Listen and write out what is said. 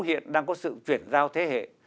hiện đang có sự chuyển giao thế hệ